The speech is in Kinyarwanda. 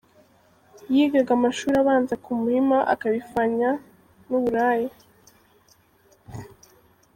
Yigaga amashuri abanza ku Muhima akabifanya n’uburaya.